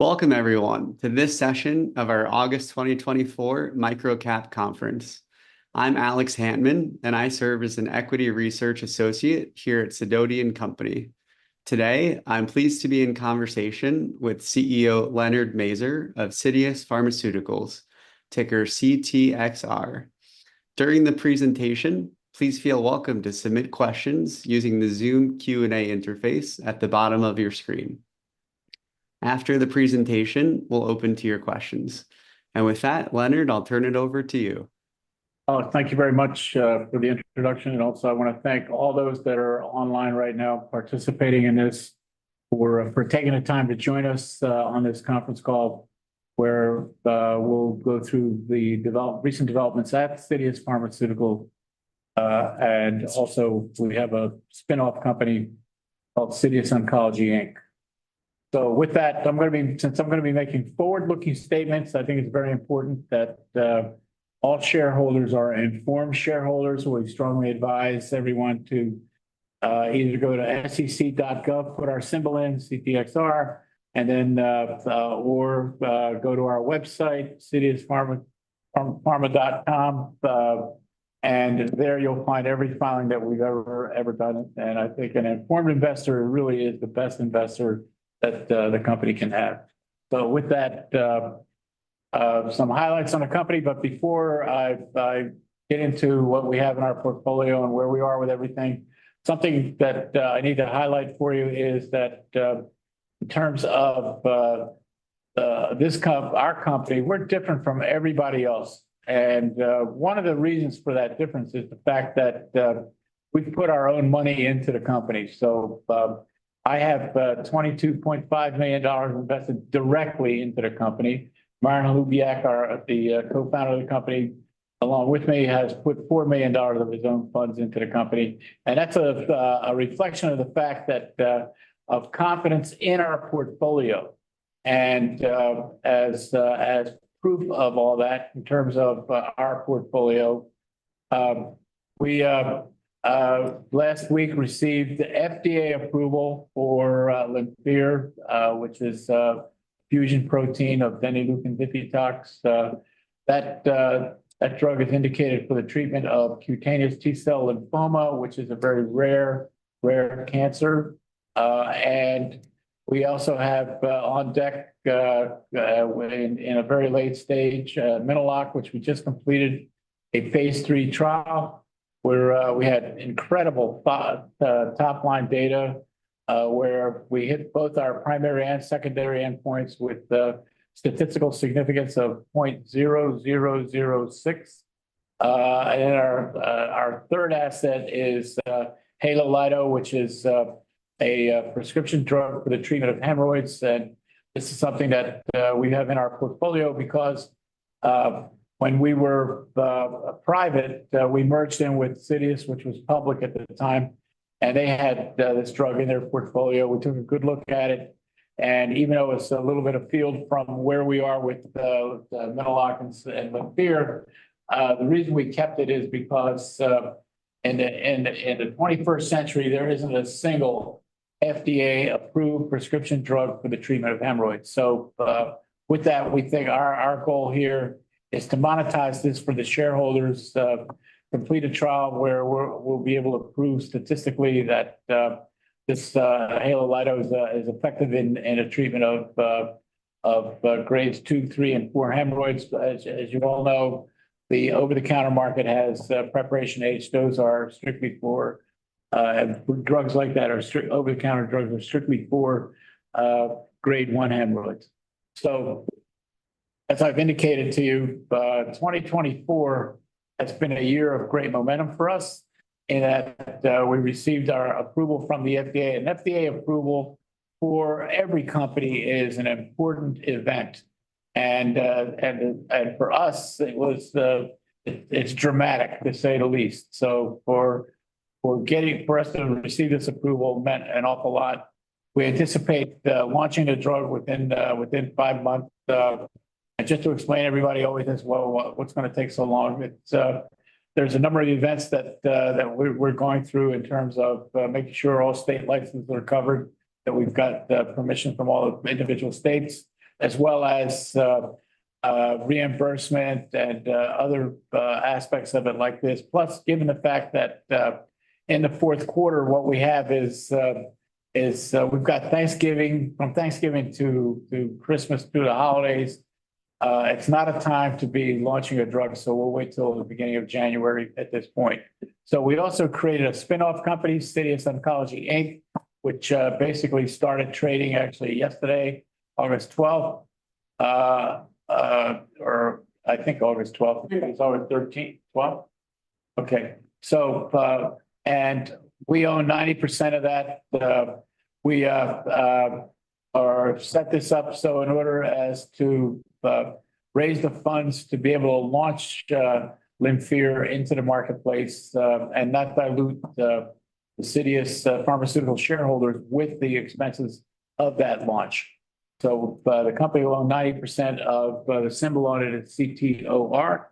Welcome everyone, to this session of our August 2024 Microcap Conference. I'm Alex Hantman, and I serve as an equity research associate here at Sidoti & Company. Today, I'm pleased to be in conversation with CEO Leonard Mazur of Citius Pharmaceuticals, ticker CTXR. During the presentation, please feel welcome to submit questions using the Zoom Q&A interface at the bottom of your screen. After the presentation, we'll open to your questions. And with that, Leonard, I'll turn it over to you. Oh, thank you very much for the introduction, and also I want to thank all those that are online right now participating in this, for taking the time to join us on this conference call, where we'll go through the recent developments at Citius Pharmaceuticals. And also, we have a spin-off company called Citius Oncology, Inc. So with that, since I'm going to be making forward-looking statements, I think it's very important that all shareholders are informed shareholders. We strongly advise everyone to either go to sec.gov, put our symbol in, CTXR, and then or go to our website, citiuspharma.com. And there you'll find every filing that we've ever done. And I think an informed investor really is the best investor that the company can have. So with that, some highlights on the company, but before I get into what we have in our portfolio and where we are with everything, something that I need to highlight for you is that, in terms of this comp, our company, we're different from everybody else. And one of the reasons for that difference is the fact that we've put our own money into the company. So I have $22.5 million invested directly into the company. Myron Holubiak, our co-founder, along with me, has put $4 million of his own funds into the company, and that's a reflection of the fact that of confidence in our portfolio. And as proof of all that, in terms of our portfolio, we last week received FDA approval for LYMPHIR, which is a fusion protein of denileukin diftitox. That drug is indicated for the treatment of cutaneous T-cell lymphoma, which is a very rare, rare cancer. And we also have on deck in a very late stage Mino-Lok, which we just completed a phase 3 trial, where we had incredible top-line data, where we hit both our primary and secondary endpoints with the statistical significance of 0.0006. And our third asset is Halo-Lido, which is a prescription drug for the treatment of hemorrhoids. This is something that we have in our portfolio because when we were private, we merged in with Citius, which was public at the time, and they had this drug in their portfolio. We took a good look at it, and even though it's a little bit of field from where we are with the Mino-Lok and LYMPHIR, the reason we kept it is because in the 21st century, there isn't a single FDA-approved prescription drug for the treatment of hemorrhoids. So with that, we think our goal here is to monetize this for the shareholders, complete a trial where we'll be able to prove statistically that this Halo-Lido is effective in the treatment of grades 2, 3, and 4 hemorrhoids. As you all know, the over-the-counter market has Preparation H. Those are strictly for drugs like that. Over-the-counter drugs are strictly for grade one hemorrhoids. So as I've indicated to you, 2024 has been a year of great momentum for us in that we received our approval from the FDA. An FDA approval for every company is an important event, and for us, it was, it's dramatic, to say the least. So for us to receive this approval meant an awful lot. We anticipate launching the drug within five months. And just to explain, everybody always asks, "Well, what, what's going to take so long?" It, there's a number of events that that we're going through in terms of making sure all state licenses are covered, that we've got the permission from all the individual states, as well as reimbursement and other aspects of it like this. Plus, given the fact that in the fourth quarter, what we have is we've got Thanksgiving, from Thanksgiving to Christmas through the holidays. It's not a time to be launching a drug, so we'll wait till the beginning of January at this point. So we also created a spin-off company, Citius Oncology, Inc., which basically started trading actually yesterday, August twelfth. Or I think August twelfth. It's August thirteenth. Twelfth? Okay. So, and we own 90% of that. We set this up so in order as to raise the funds to be able to launch LYMPHIR into the marketplace, and not dilute the Citius Pharmaceuticals shareholders with the expenses of that launch. So, the company will own 90% of the symbol on it. It's CTOR.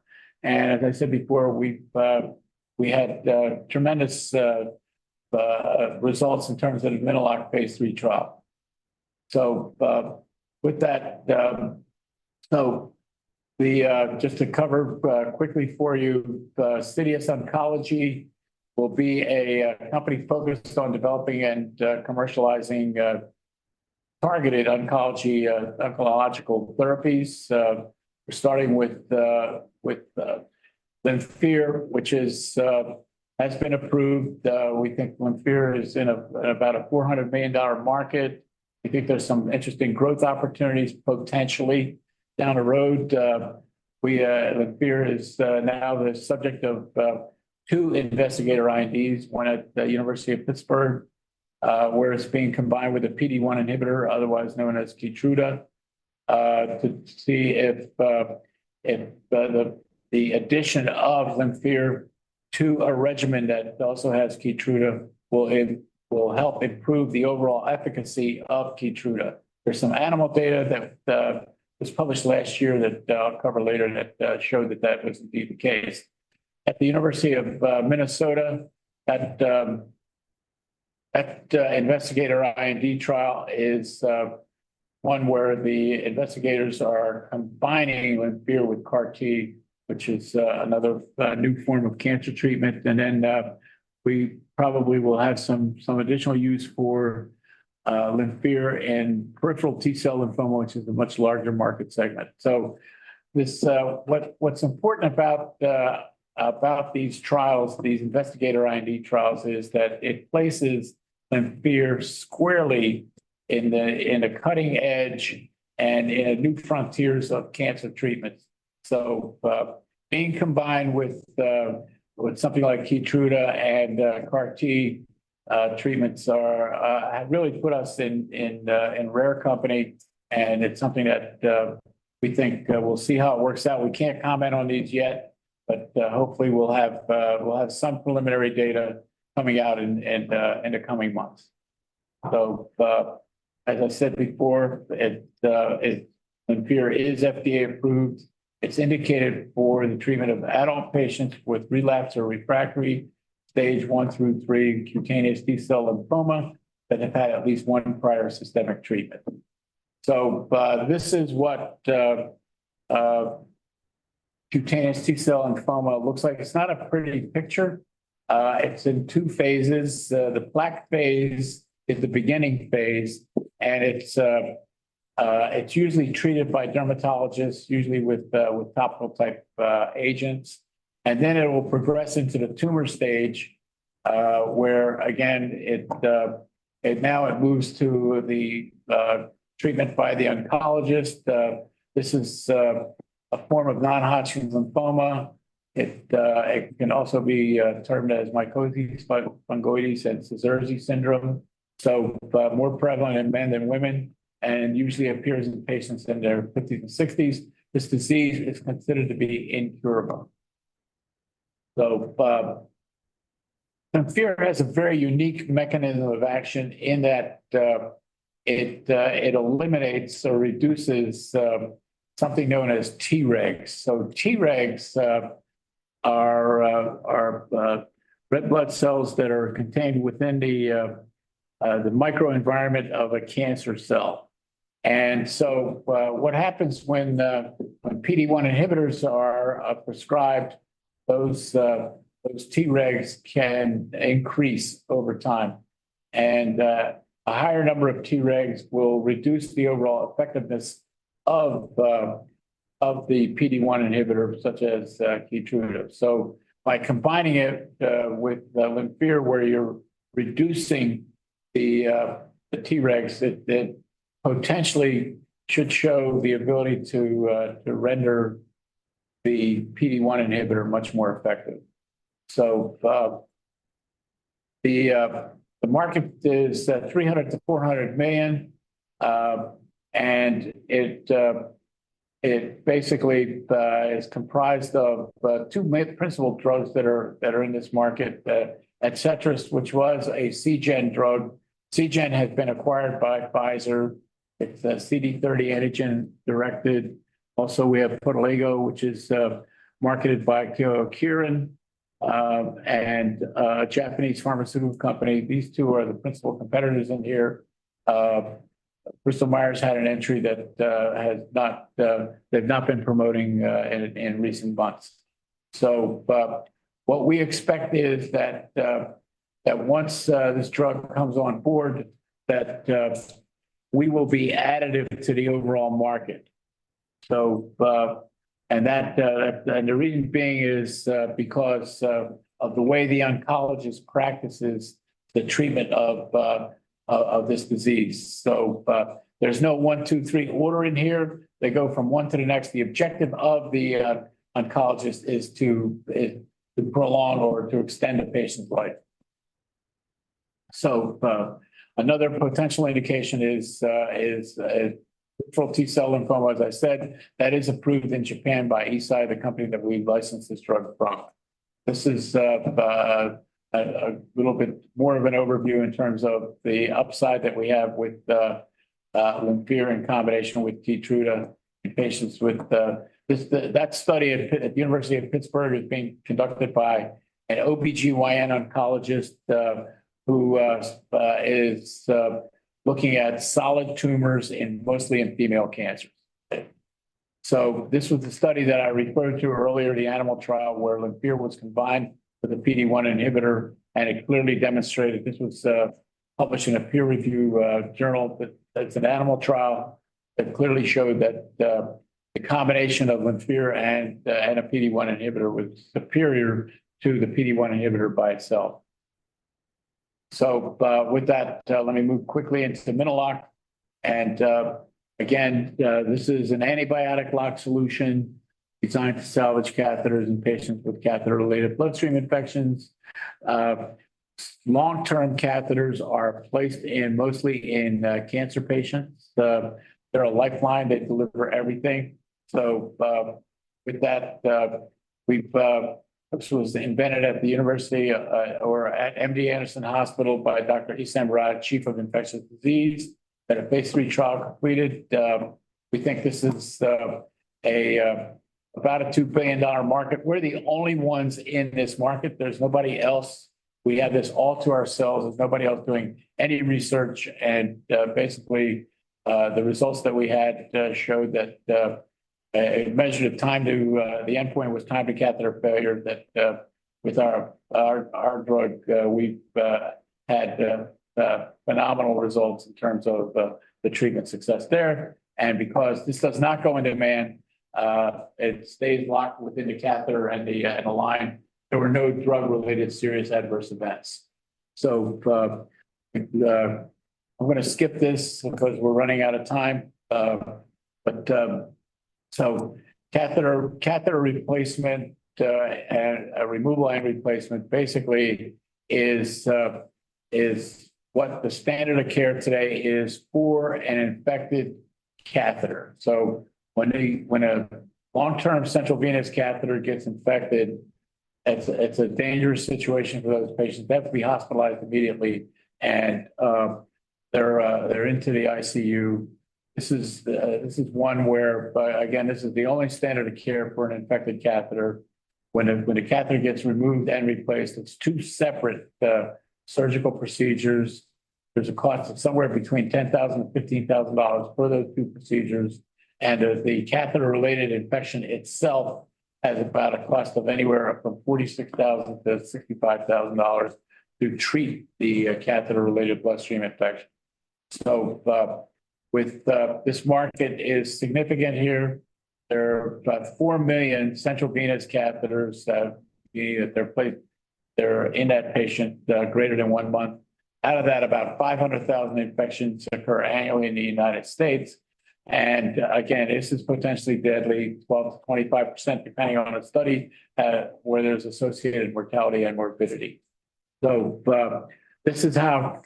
And as I said before, we had tremendous results in terms of Mino-Lok phase 3 trial. So, with that, so the just to cover quickly for you, the Citius Oncology will be a company focused on developing and commercializing targeted oncology oncological therapies. We're starting with with LYMPHIR, which has been approved. We think LYMPHIR is in about a $400 million market. We think there's some interesting growth opportunities potentially down the road. LYMPHIR is now the subject of two investigator INDs, one at the University of Pittsburgh, where it's being combined with a PD-1 inhibitor, otherwise known as KEYTRUDA, to see if the addition of LYMPHIR to a regimen that also has KEYTRUDA will help improve the overall efficacy of KEYTRUDA. There's some animal data that was published last year that I'll cover later, that showed that that was indeed the case. At the University of Minnesota, that investigator IND trial is one where the investigators are combining LYMPHIR with CAR T, which is another new form of cancer treatment. And then, we probably will have some, some additional use for LYMPHIR and peripheral T-cell lymphoma, which is a much larger market segment. So this, what, what's important about, about these trials, these investigator IND trials, is that it places LYMPHIR squarely in the, in the cutting edge and in new frontiers of cancer treatments. So, being combined with, with something like KEYTRUDA and, CAR T, treatments are, have really put us in, in, in rare company, and it's something that, we think, we'll see how it works out. We can't comment on these yet, but, hopefully we'll have, we'll have some preliminary data coming out in, in, in the coming months. So, as I said before, it, it LYMPHIR is FDA approved. It's indicated for the treatment of adult patients with relapsed or refractory stage 1 through 3 cutaneous T-cell lymphoma that have had at least one prior systemic treatment. So, this is what cutaneous T-cell lymphoma looks like. It's not a pretty picture. It's in two phases. The black phase is the beginning phase, and it's usually treated by dermatologists, usually with topical type agents. And then it will progress into the tumor stage, where again, it now moves to the treatment by the oncologist. This is a form of non-Hodgkin's lymphoma. It can also be determined as mycosis fungoides and Sézary syndrome, so, more prevalent in men than women, and usually appears in patients in their 50s and 60s. This disease is considered to be incurable. So, LYMPHIR has a very unique mechanism of action in that, it eliminates or reduces something known as Tregs. So Tregs are red blood cells that are contained within the microenvironment of a cancer cell. And so, what happens when PD-1 inhibitors are prescribed, those Tregs can increase over time. And, a higher number of Tregs will reduce the overall effectiveness of the PD-1 inhibitor, such as KEYTRUDA. So by combining it with LYMPHIR, where you're reducing the Tregs, that then potentially should show the ability to render the PD-1 inhibitor much more effective. So, the market is $300 million-$400 million, and it basically is comprised of two main principal drugs that are in this market. ADCETRIS, which was a Seagen drug. Seagen has been acquired by Pfizer. It's a CD30 antigen directed. Also, we have POTELIGEO, which is marketed by Kyowa Kirin, a Japanese pharmaceutical company. These two are the principal competitors in here. Bristol Myers Squibb had an entry that has not. They've not been promoting in recent months. So, what we expect is that once this drug comes on board, we will be additive to the overall market. So, and that, and the reason being is because of the way the oncologist practices the treatment of this disease. So, there's no one, two, three order in here. They go from one to the next. The objective of the oncologist is to prolong or to extend a patient's life. So, another potential indication is peripheral T-cell lymphoma, as I said. That is approved in Japan by Eisai, the company that we licensed this drug from. This is a little bit more of an overview in terms of the upside that we have with the LYMPHIR in combination with KEYTRUDA in patients with this, the, that study at the University of Pittsburgh is being conducted by an OB-GYN oncologist, who is looking at solid tumors mostly in female cancers. So this was the study that I referred to earlier, the animal trial, where LYMPHIR was combined with a PD-1 inhibitor, and it clearly demonstrated this was published in a peer-reviewed journal. But it's an animal trial that clearly showed that the combination of LYMPHIR and a PD-1 inhibitor was superior to the PD-1 inhibitor by itself. So with that, let me move quickly into the Mino-Lok. And again, this is an antibiotic lock solution designed to salvage catheters in patients with catheter-related bloodstream infections. Long-term catheters are placed in mostly in cancer patients. They're a lifeline. They deliver everything. So with that, we've this was invented at the university or at MD Anderson by Dr. Issam Raad, Chief of Infectious Diseases. Had a phase 3 trial completed. We think this is a about a $2 billion market. We're the only ones in this market. There's nobody else. We have this all to ourselves. There's nobody else doing any research, and basically, the results that we had showed that a measure of time to the endpoint was time to catheter failure, that with our drug we've had phenomenal results in terms of the treatment success there. And because this does not go into a vein, it stays locked within the catheter and the line. There were no drug-related serious adverse events. So I'm gonna skip this because we're running out of time. But catheter replacement and removal and replacement basically is what the standard of care today is for an infected catheter. So when a long-term central venous catheter gets infected, it's a dangerous situation for those patients. They have to be hospitalized immediately, and they're into the ICU. This is one where, but again, this is the only standard of care for an infected catheter. When a catheter gets removed and replaced, it's two separate surgical procedures. There's a cost of somewhere between $10,000-$15,000 for those two procedures, and the catheter-related infection itself has about a cost of anywhere from $46,000-$65,000 to treat the catheter-related bloodstream infection. So this market is significant here. There are about 4 million central venous catheters that they're placed, they're in that patient, greater than 1 month. Out of that, about 500,000 infections occur annually in the United States, and again, this is potentially deadly, 12%-25%, depending on the study, where there's associated mortality and morbidity. So, this is how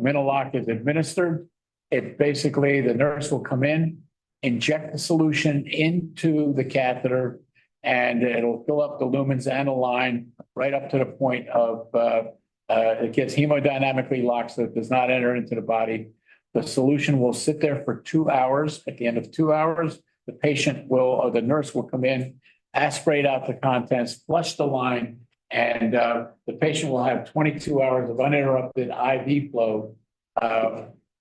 Mino-Lok is administered. It basically, the nurse will come in, inject the solution into the catheter, and it'll fill up the lumens and the line right up to the point of, it gets hemodynamically locked, so it does not enter into the body. The solution will sit there for 2 hours. At the end of 2 hours, the patient will, or the nurse will come in, aspirate out the contents, flush the line, and, the patient will have 22 hours of uninterrupted IV flow,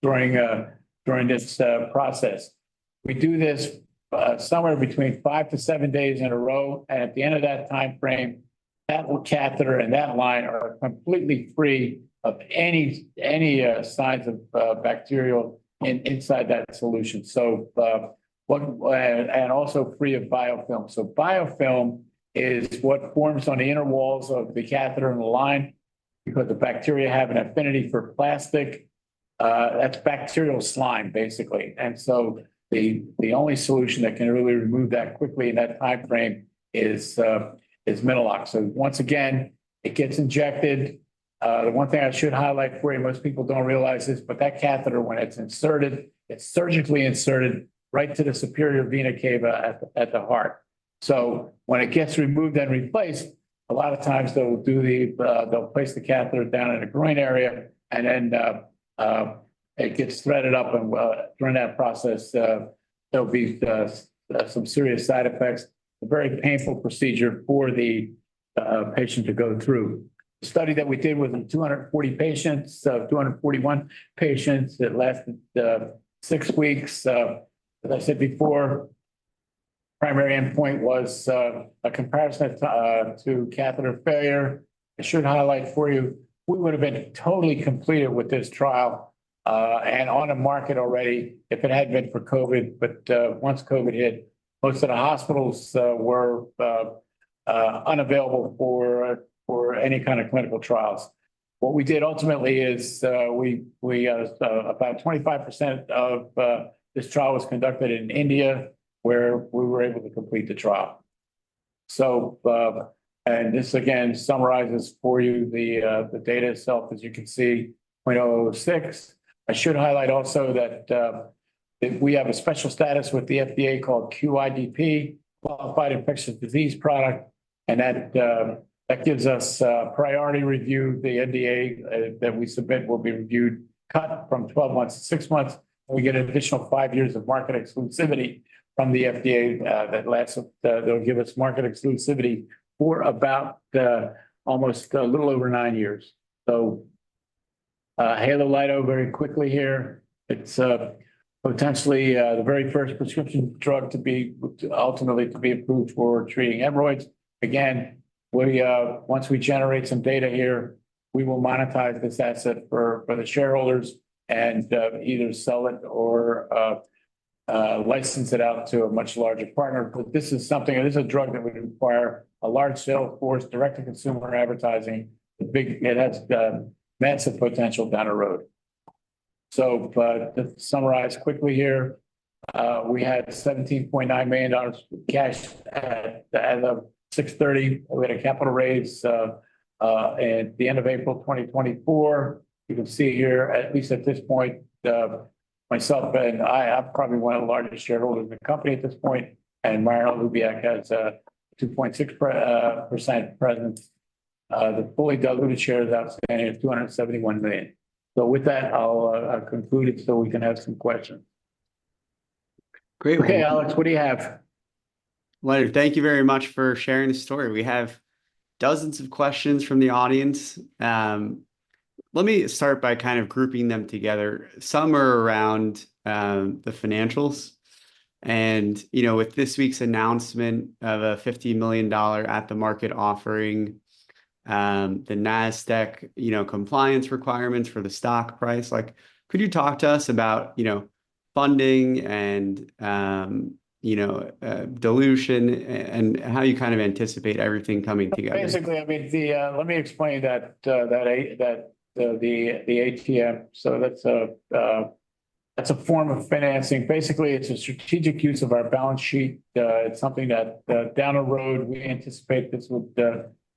during this process. We do this somewhere between 5-7 days in a row, and at the end of that time frame, that catheter and that line are completely free of any signs of bacteria inside that solution. So, and also free of biofilm. So biofilm is what forms on the inner walls of the catheter and the line because the bacteria have an affinity for plastic. That's bacterial slime, basically. And so the only solution that can really remove that quickly in that time frame is Mino-Lok. So once again, it gets injected. The one thing I should highlight for you, most people don't realize this, but that catheter, when it's inserted, it's surgically inserted right to the superior vena cava at the heart. So when it gets removed and replaced, a lot of times they'll do the, they'll place the catheter down in the groin area, and then it gets threaded up, and during that process there'll be some serious side effects. A very painful procedure for the patient to go through. The study that we did with 240 patients, 241 patients, it lasted six weeks. As I said before, primary endpoint was a comparison of to catheter failure. I should highlight for you, we would have been totally completed with this trial, and on the market already, if it hadn't been for COVID. But once COVID hit, most of the hospitals were unavailable for any kind of clinical trials. What we did ultimately is, we about 25% of this trial was conducted in India, where we were able to complete the trial. So, and this again summarizes for you the data itself. As you can see, 0.06. I should highlight also that if we have a special status with the FDA called QIDP, Qualified Infectious Disease Product, and that gives us priority review. The NDA that we submit will be reviewed, cut from 12 months to 6 months, and we get an additional 5 years of market exclusivity from the FDA that lasts—they'll give us market exclusivity for about almost a little over 9 years. So, Halo-Lido, very quickly here, it's potentially the very first prescription drug to be—ultimately to be approved for treating hemorrhoids. Again, we, once we generate some data here, we will monetize this asset for the shareholders and either sell it or license it out to a much larger partner. But this is something, this is a drug that would require a large sales force, direct-to-consumer advertising, a big—it has massive potential down the road. But to summarize quickly here, we had $17.9 million cash as of June 30. We had a capital raise at the end of April 2024. You can see here, at least at this point, myself and I, I'm probably one of the largest shareholders in the company at this point, and Myron Holubiak has a 2.6% presence. The fully diluted shares outstanding is 271 million. So with that, I'll conclude it so we can have some questions. Great. Okay, Alex, what do you have? Well, thank you very much for sharing the story. We have dozens of questions from the audience. Let me start by kind of grouping them together. Some are around the financials, and, you know, with this week's announcement of a $50 million at-the-market offering, the NASDAQ, you know, compliance requirements for the stock price, like, could you talk to us about, you know, funding and, you know, dilution and, and how you kind of anticipate everything coming together? Basically, I mean, let me explain that, the ATM. So that's a form of financing. Basically, it's a strategic use of our balance sheet. It's something that down the road, we anticipate this will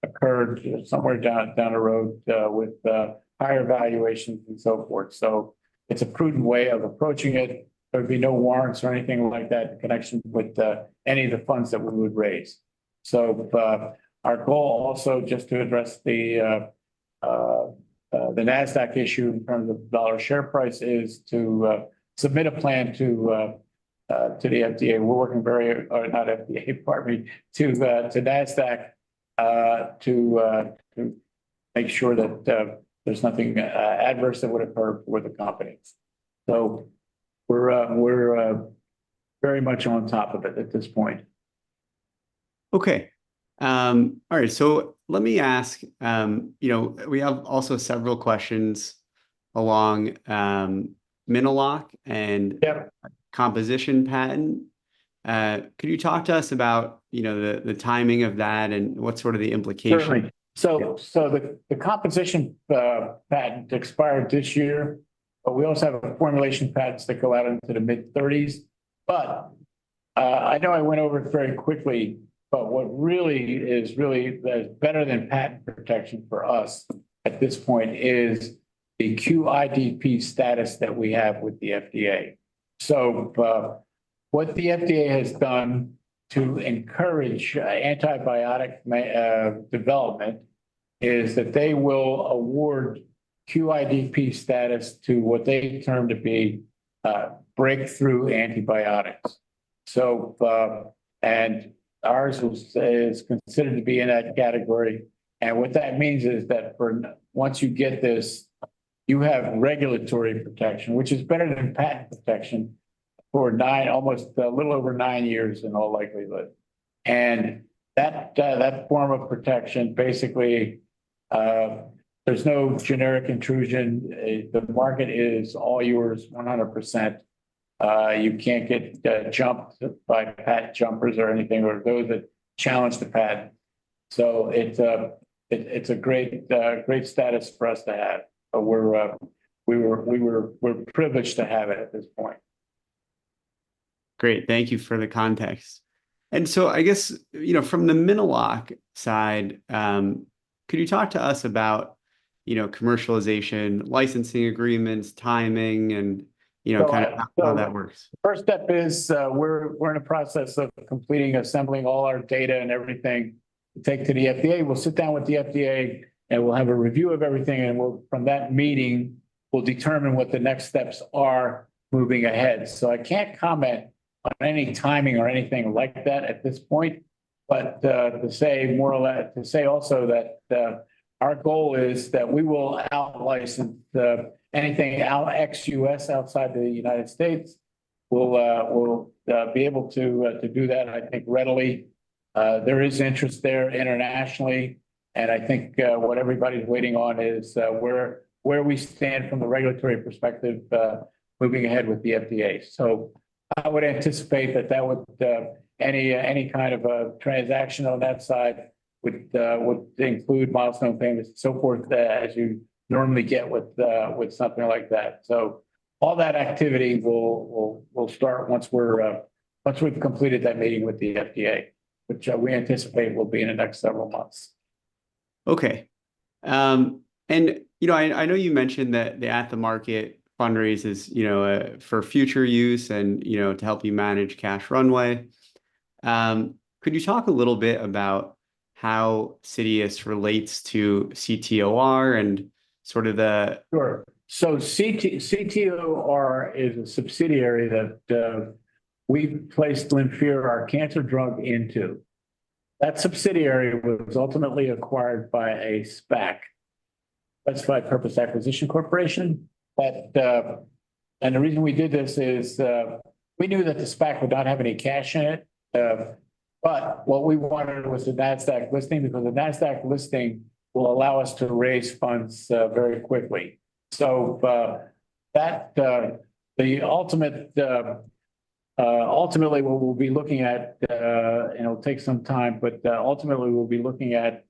occur somewhere down the road with higher valuations and so forth. So it's a prudent way of approaching it. There'll be no warrants or anything like that in connection with any of the funds that we would raise. So our goal, also, just to address the NASDAQ issue in terms of dollar share price, is to submit a plan to the FDA. We're working very, not FDA, pardon me, to the, to Nasdaq, to make sure that there's nothing adverse that would occur with the company. So we're very much on top of it at this point. Okay. All right, so let me ask, you know, we have also several questions along, Mino-Lok and- Yeah... composition patent. Could you talk to us about, you know, the timing of that and what's sort of the implication? Certainly. So the composition patent expired this year, but we also have formulation patents that go out into the mid-thirties. But I know I went over it very quickly, but what really is better than patent protection for us at this point is the QIDP status that we have with the FDA. So what the FDA has done to encourage antibiotic development is that they will award QIDP status to what they determine to be breakthrough antibiotics. So and ours was, is considered to be in that category. And what that means is that once you get this, you have regulatory protection, which is better than patent protection, for nine, almost a little over nine years in all likelihood. And that form of protection, basically, there's no generic intrusion. The market is all yours, 100%. You can't get jumped by patent jumpers or anything, or those that challenge the patent. So it's a great status for us to have. We're privileged to have it at this point. Great, thank you for the context. And so I guess, you know, from the Mino-Lok side, could you talk to us about, you know, commercialization, licensing agreements, timing, and, you know, kind of how that works? First step is, we're in the process of completing, assembling all our data and everything to take to the FDA. We'll sit down with the FDA, and we'll have a review of everything, and from that meeting, we'll determine what the next steps are moving ahead. So I can't comment on any timing or anything like that at this point, but, to say more or less, to say also that, our goal is that we will outlicense, anything out ex-US, outside the United States. We'll be able to do that, I think, readily. There is interest there internationally, and I think, what everybody's waiting on is, where we stand from a regulatory perspective, moving ahead with the FDA. So I would anticipate that any kind of a transaction on that side would include milestone payments and so forth, as you normally get with something like that. So all that activity will start once we've completed that meeting with the FDA, which we anticipate will be in the next several months.... Okay. And you know, I know you mentioned that the at-the-market fundraise is, you know, for future use and, you know, to help you manage cash runway. Could you talk a little bit about how Sidoti relates to CTOR and sort of the- Sure. So CTOR is a subsidiary that, we've placed LYMPHIR, our cancer drug, into. That subsidiary was ultimately acquired by a SPAC, that's Special Purpose Acquisition Corporation. But, and the reason we did this is, we knew that the SPAC would not have any cash in it. But what we wanted was the NASDAQ listing, because the NASDAQ listing will allow us to raise funds, very quickly. So, that, the ultimate... Ultimately, what we'll be looking at, and it'll take some time, but, ultimately, we'll be looking at,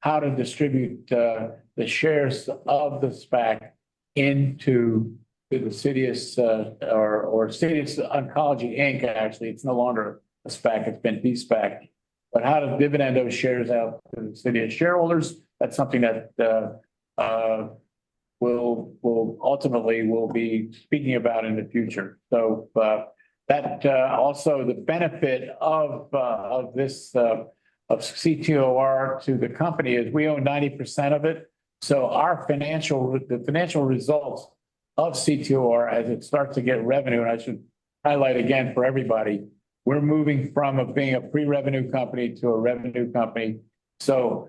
how to distribute, the shares of the SPAC into, to the Citius, or, or Citius Oncology Inc., actually. It's no longer a SPAC, it's been de-SPAC. But how to dividend those shares out to the Citius shareholders, that's something that, we'll, we'll ultimately we'll be speaking about in the future. So, that, also the benefit of, of this, of CTOR to the company is we own 90% of it, so the financial results of CTOR, as it starts to get revenue. And I should highlight again for everybody, we're moving from being a pre-revenue company to a revenue company, so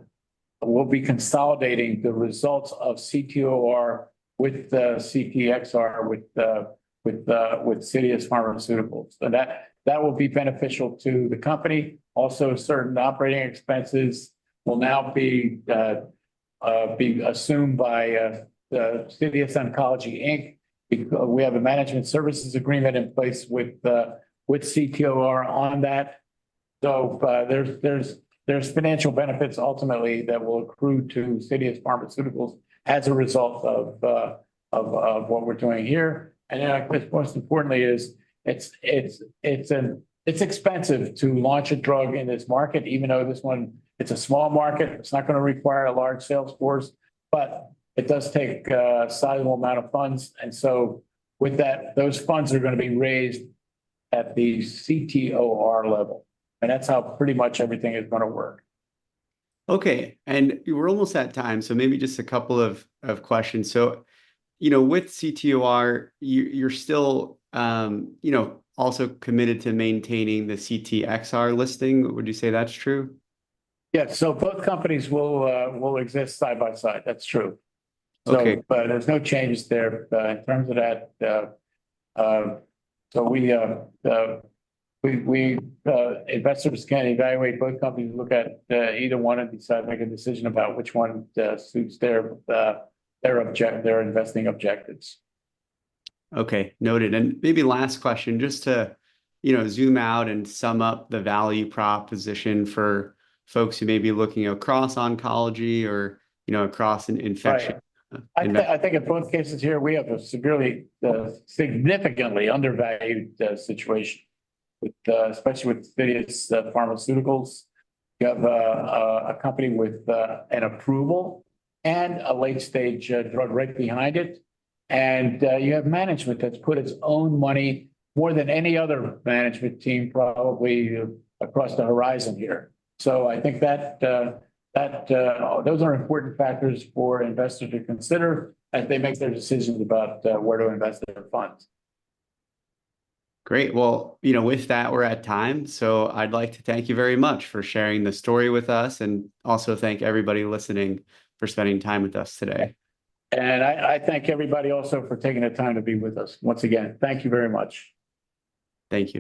we'll be consolidating the results of CTOR with the CTXR, with Citius Pharmaceuticals. So that, that will be beneficial to the company. Also, certain operating expenses will now be assumed by the Citius Oncology Inc., because we have a management services agreement in place with CTOR on that. So, there's financial benefits ultimately that will accrue to Citius Pharmaceuticals as a result of what we're doing here. And then, most importantly, it's expensive to launch a drug in this market, even though this one, it's a small market, it's not gonna require a large sales force, but it does take a sizable amount of funds. And so with that, those funds are gonna be raised at the CTOR level, and that's how pretty much everything is gonna work. Okay, and we're almost at time, so maybe just a couple of questions. So, you know, with CTOR, you, you're still, you know, also committed to maintaining the CTXR listing. Would you say that's true? Yeah, so both companies will, will exist side by side. That's true. Okay. There's no changes there in terms of that. Investors can evaluate both companies and look at either one and decide, make a decision about which one suits their their object- their investing objectives. Okay, noted. And maybe last question, just to, you know, zoom out and sum up the value proposition for folks who may be looking across oncology or, you know, across in infection. Right. I think, I think in both cases here, we have a severely, significantly undervalued situation, with especially with Citius Pharmaceuticals. You have a company with an approval and a late-stage drug right behind it. And you have management that's put its own money, more than any other management team, probably across the horizon here. So I think that those are important factors for investors to consider as they make their decisions about where to invest their funds. Great. Well, you know, with that, we're at time, so I'd like to thank you very much for sharing this story with us, and also thank everybody listening for spending time with us today. I, I thank everybody also for taking the time to be with us. Once again, thank you very much. Thank you.